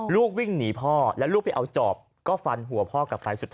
ลูกวิ่งหนีพ่อแล้วลูกไปเอาจอบก็ฝั่นหัวพ่อกลับไป